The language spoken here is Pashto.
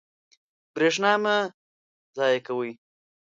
برېښنا مه ضایع کوئ.